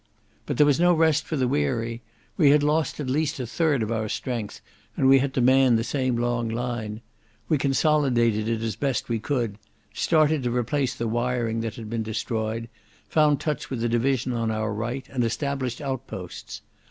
But there was no rest for the weary. We had lost at least a third of our strength, and we had to man the same long line. We consolidated it as best we could, started to replace the wiring that had been destroyed, found touch with the division on our right, and established outposts.